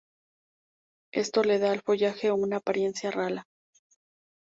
Esto le da al follaje una apariencia rala.